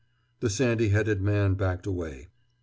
The sandy headed man backed away.